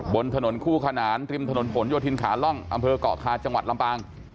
บนถนนคู่ขนานริมถนนผลโยธินขาล่องอำเภอกเกาะคาจังหวัดลำปาง